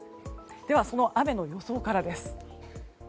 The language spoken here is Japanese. では、雨の予想からです。